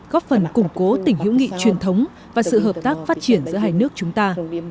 góp phần củng cố tỉnh hữu nghị truyền thống và sự hợp tác phát triển giữa hai nước chúng ta